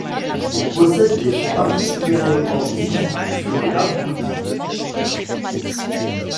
Il possède des fonds particulièrement riches sur l’art bouddhique.